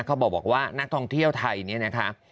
เขาบอกว่านักท่องเที่ยวไทยเนี่ยนะคะ